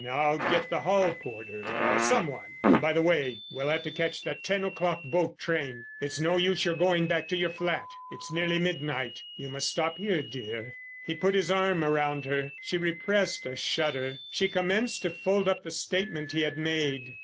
I'll get the hall porter or some one. By the way, we'll have to catch the ten o'clock boat train. It's no use your going back to your flat. It's nearly midnight; you must stop here, dear." He put his arm around her; she repressed a shudder. She commenced to fold up the statement he had made.